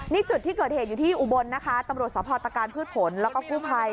นี่จุดที่เกิดเหตุอยู่ที่อุบลนะคะตำรวจสภตการพืชผลแล้วก็กู้ภัย